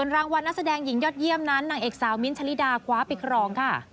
รางวัลนักแสดงหญิงยอดเยี่ยมนั้นนางเอกสาวมิ้นท์ชะลิดาคว้าไปครองค่ะ